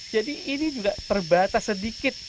jadi ini juga terbatas sedikit